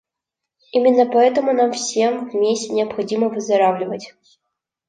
Именно поэтому нам всем вместе необходимо выздоравливать.